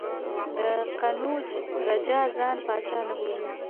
د قنوج راجا ځان پاچا نه بولي.